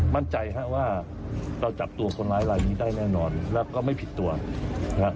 มั่นใจฮะว่าเราจับตัวคนร้ายลายนี้ได้แน่นอนแล้วก็ไม่ผิดตัวนะฮะ